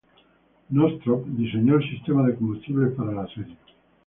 Northrop diseñó el sistema de combustible para la serie.